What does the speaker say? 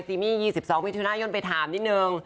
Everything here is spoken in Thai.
ซิมี่๒๒วิทยุนายนไปถามนิดนึง